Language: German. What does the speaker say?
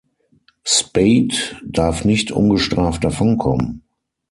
Speight darf nicht ungestraft davonkommen.